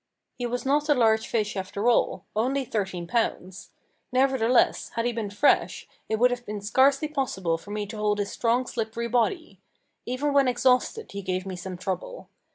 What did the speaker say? He was not a large fish after all only thirteen pounds. Nevertheless, had he been fresh, it would have been scarcely possible for me to hold his strong slippery body. Even when exhausted he gave me some trouble.